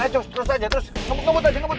abaikan aja terus aja terus ngebut aja ngebut aja